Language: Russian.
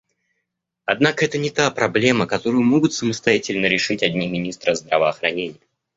Однако это не та проблема, которую могут самостоятельно решить одни министры здравоохранения.